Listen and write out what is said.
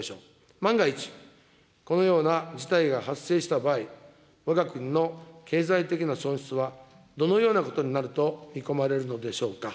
万が一、このような事態が発生した場合、わが国の経済的な損失はどのようなことになると見込まれるのでしょうか。